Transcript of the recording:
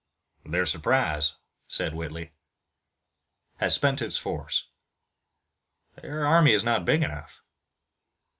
"Their surprise," said Whitley, "has spent its force. Their army is not big enough.